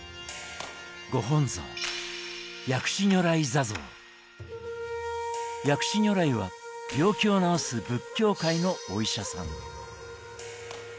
ご本尊薬師如来は病気を治す仏教界のお医者さん。